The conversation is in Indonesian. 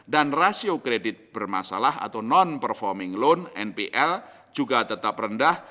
dan rasio kredit bermasalah atau non performing loan npl juga tetap rendah